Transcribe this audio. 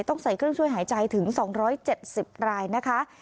ใส่เครื่องช่วยหายใจถึง๒๗๐รายนะคะ